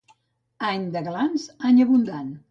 Any de glans, any abundant.